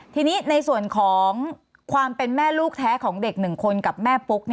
ทีนี้ในส่วนของความเป็นแม่ลูกแท้ของเด็ก๑คนกับแม่ปุ๊ก